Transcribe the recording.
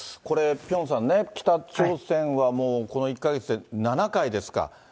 これ、ピョンさんね、北朝鮮はもうこの１か月で７回ですか。